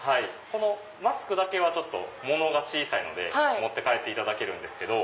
マスクだけはものが小さいので持って帰っていただけるんです。